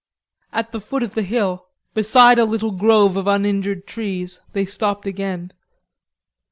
At the foot of the hill, beside a little grove of uninjured trees, they stopped again.